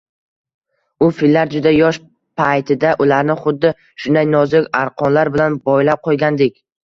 U: “Fillar juda yosh paytida ularni xuddi shunday nozik arqonlar bilan boylab qoʻygandik.